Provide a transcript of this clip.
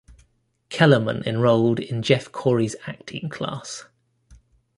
Kellerman enrolled in Jeff Corey's acting class.